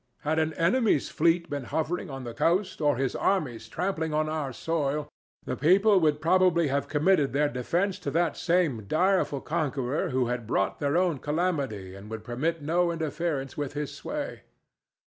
Had an enemy's fleet been hovering on the coast or his armies trampling on our soil, the people would probably have committed their defence to that same direful conqueror who had wrought their own calamity and would permit no interference with his sway.